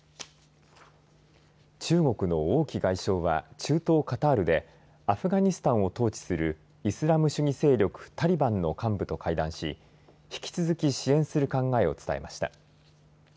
中国の王毅外相は中東カタールでアフガニスタンを統治するイスラム主義勢力タリバンの幹部と会談し引き続き支援する考えを伝えました。